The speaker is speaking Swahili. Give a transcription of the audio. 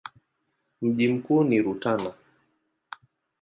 Mji mkuu ni Rutana.